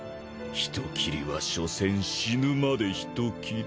人斬りはしょせん死ぬまで人斬り。